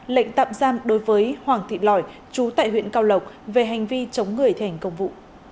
lệnh tạm giam đối với hoàng thị lỏi chú tại huyện cao lộc về hành vi chống người thi hành công vụ